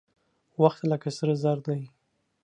وخت لکه سره زر دى.